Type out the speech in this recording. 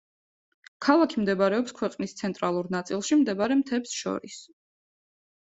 ქალაქი მდებარეობს ქვეყნის ცენტრალურ ნაწილში მდებარე მთებს შორის.